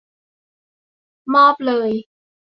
มอบเลย !